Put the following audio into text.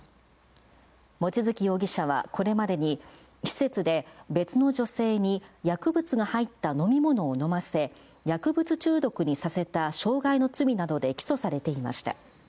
望月容疑者はこれまでに、施設で別の女性に薬物が入った飲み物を飲ませ、薬物中毒にさせた傷害の罪などで起訴されていました。